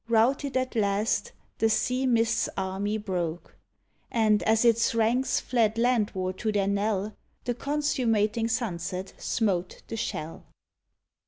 Routed at last, the sea mist's army broke. And, as its ranks fled landward to their knell. The consummating sunset smote the shell.